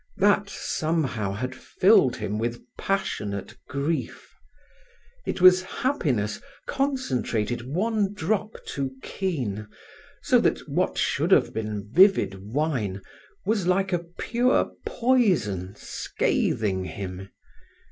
That, somehow, had filled him with passionate grief. It was happiness concentrated one drop too keen, so that what should have been vivid wine was like a pure poison scathing him.